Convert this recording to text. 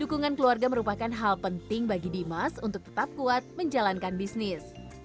dukungan keluarga merupakan hal penting bagi dimas untuk tetap kuat menjalankan bisnis